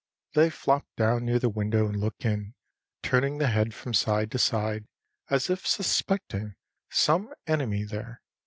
They flop down near the window and look in, turning the head from side to side, as if suspecting some enemy there.